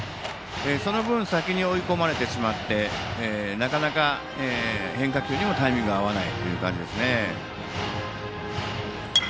その分先に追い込まれてしまってなかなか変化球にもタイミングが合わない感じです。